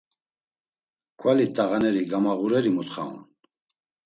K̆vali t̆ağaneri gamağureri mutxa on.